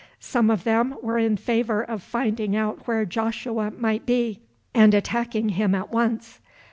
Some of them were in favour of finding out where Joshua might be, and attacking him at once.